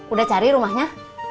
udah cari rumahnya